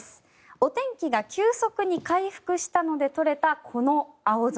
お天気が急速に回復したので撮れたこの青空。